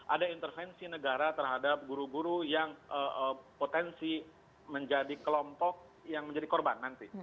ada intervensi negara terhadap guru guru yang potensi menjadi kelompok yang menjadi korban nanti